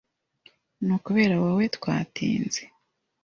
Ni ukubera wowe twatinze.